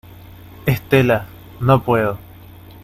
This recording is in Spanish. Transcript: estela, no puedo.